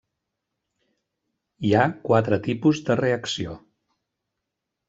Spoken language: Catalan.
Hi ha quatre tipus de reacció.